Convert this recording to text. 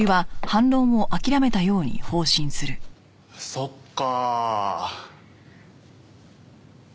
そっか。